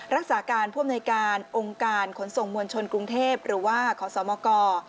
รักษาการผู้อำนวยการองค์การขนส่งมวลชนกรุงเทพหรือว่าขอสมก